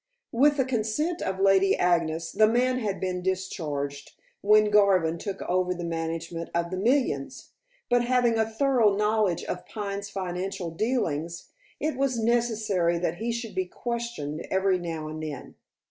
With the consent of Lady Agnes, the man had been discharged, when Jarvin took over the management of the millions, but having a thorough knowledge of Pine's financial dealings, it was necessary that he should be questioned every now and then.